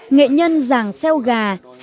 nghệ nhân giảng xeo gà